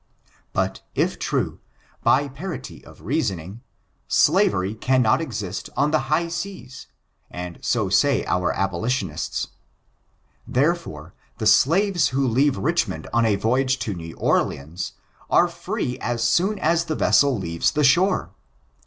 But, if true, by parity of reasoning, slavery cannot exist on the high seas, and so say our abolitionists. Therefore, the slaves who leave Richmond on a voyage to New Orleans, are free as soon as the vessel leaves the shore.